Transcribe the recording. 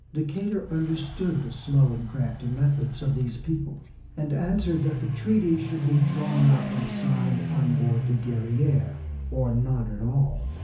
Decatur understood the slow and crafty methods of these people, and answered that the treaty should be drawn up and signed on board the Guerrière or not at all.